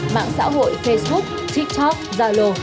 mạng xã hội facebook tiktok zalo